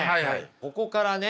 ここからね